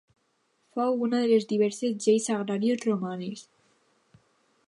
Fou una de les diverses lleis agràries romanes.